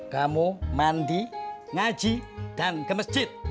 kamu mandi ngaji dan ke masjid